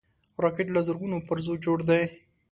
راکټ له زرګونو پرزو جوړ دی